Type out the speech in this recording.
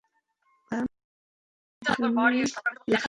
মা আর বাবা দুজনেই বেঁচে আছেন।